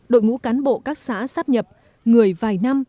đội ngũ cán bộ các xã sắp nhập người vài năm